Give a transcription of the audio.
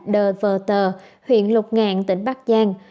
đờ vờ tờ huyện lục ngạn tỉnh bắc giang